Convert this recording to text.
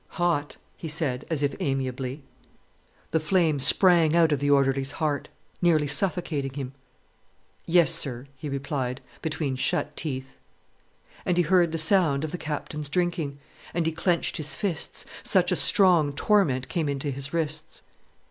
"Hot!" he said, as if amiably. The flame sprang out of the orderly's heart, nearly suffocating him. "Yes, sir," he replied, between shut teeth. And he heard the sound of the Captain's drinking, and he clenched his fists, such a strong torment came into his wrists.